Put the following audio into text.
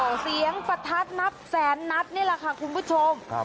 โอ้โหเสียงประทัดนับแสนนัดนี่แหละค่ะคุณผู้ชมครับ